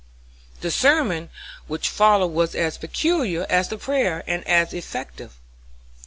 The sermon which followed was as peculiar as the prayer, and as effective.